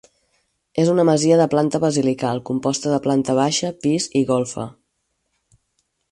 És una masia de planta basilical, composta de planta baixa, pis i golfa.